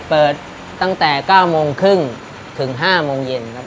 เปิดตั้งแต่๐๙๓๐นถึง๑๗๐๐น